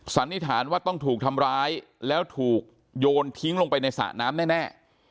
สันนิษฐานว่าต้องถูกทำร้ายแล้วถูกโยนทิ้งลงไปในสระน้ำแน่